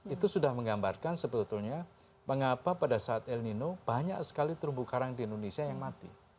itu sudah menggambarkan sebetulnya mengapa pada saat el nino banyak sekali terumbu karang di indonesia yang mati